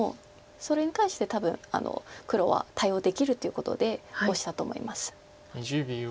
それに対して多分黒は対応できるということでオシたと思います。